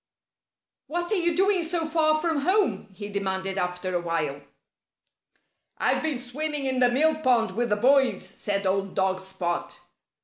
"What are you doing so far from home?" he demanded after a while. "I've been swimming in the mill pond with the boys," said old dog Spot.